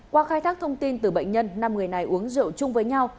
qua khai thác thông tin từ bệnh nhân năm người này uống rượu chung với nhau